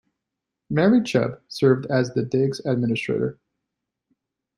Mary Chubb served as the digs administrator.